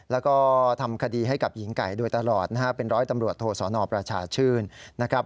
แล้วก็ทำคดีให้กับหญิงไก่โดยตลอดนะฮะเป็นร้อยตำรวจโทสนประชาชื่นนะครับ